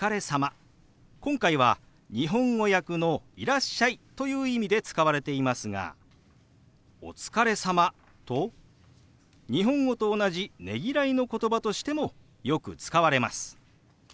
今回は日本語訳の「いらっしゃい」という意味で使われていますが「お疲れ様」と日本語と同じねぎらいのことばとしてもよく使われます。